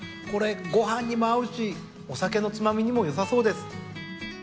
これご飯にも合うしお酒のつまみにもよさそうです。